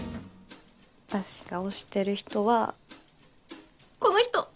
私が推してる人はこの人！